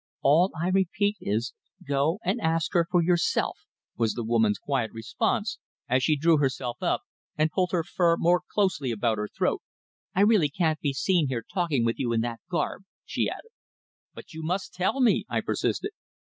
"All I repeat is go and ask her for yourself," was the woman's quiet response as she drew herself up, and pulled her fur more closely about her throat. "I really can't be seen here talking with you in that garb," she added. "But you must tell me," I persisted.